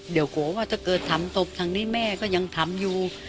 เดี๋ยวกลัวว่าถ้าเกิดทำตบทางนี้แม่ก็ยังทำอยู่